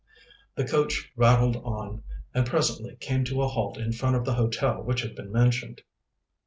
The coach rattled on, and presently came to a halt in front of the hotel which had been mentioned.